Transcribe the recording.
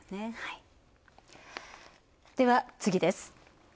では、次です。